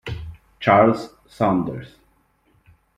Charles Saunders